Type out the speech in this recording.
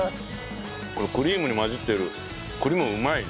これクリームにまじってる栗もうまいね。